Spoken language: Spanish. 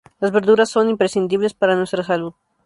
Las verduras son imprescindibles para nuestra salud.